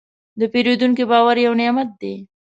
د پیرودونکي باور یو نعمت دی.